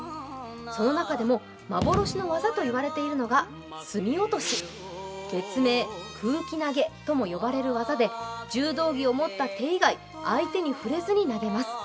その中でも、幻の技といわれているのが隅落別名・空気投げとも呼ばれる技で柔道着を持った手以外に相手に触れずに投げます。